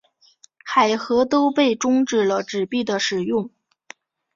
海合都被迫中止了纸币的使用。